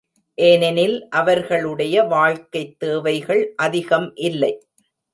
ஏனெனில் அவர்களுடைய வாழ்க்கைத் தேவைகள் அதிகம் இல்லை.